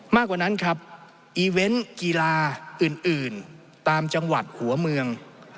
มากกว่านั้นครับอีเวนต์กีฬาอื่นตามจังหวัดหัวเมือง